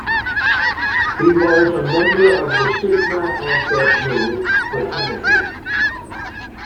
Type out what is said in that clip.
He was a member of the Sigma Alpha Mu fraternity.